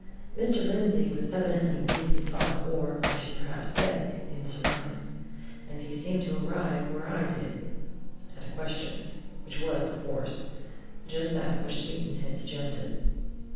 Mr. Lindsey was evidently deep in thought, or, I should perhaps say, in surmise. And he seemed to arrive where I did at a question; which was, of course, just that which Smeaton had suggested.